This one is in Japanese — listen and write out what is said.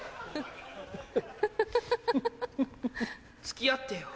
付き合ってよ。